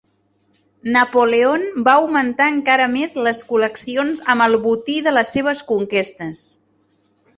Napoleon va augmentar encara més les col·leccions amb el botí de les seves conquestes.